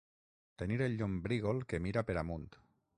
Tenir el llombrígol que mira per amunt.